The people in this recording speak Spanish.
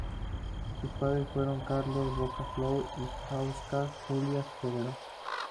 Sus padres fueron Carlos Baca-Flor y Huáscar y Julia Soberón.